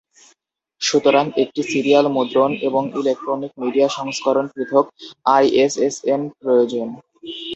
সুতরাং, একটি সিরিয়াল মুদ্রণ এবং ইলেকট্রনিক মিডিয়া সংস্করণ পৃথক আইএসএসএন প্রয়োজন।